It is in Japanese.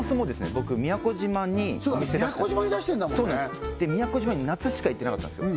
僕宮古島にお店出してそうだ宮古島に出してんだもんねで宮古島夏しか行ってなかったんですよ